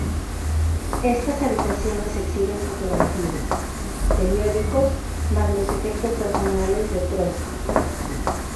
Estas habitaciones exhiben fotografías, periódicos más los efectos personales de Trotski.